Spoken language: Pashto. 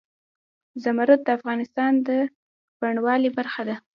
زمرد د افغانستان د بڼوالۍ برخه ده.